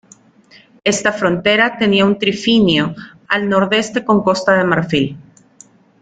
Esta frontera tenía un trifinio al nordeste con Costa de Marfil.